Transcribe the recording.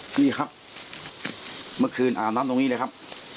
นี่ครับเมื่อคืนอาบน้ำตรงนี้เลยครับ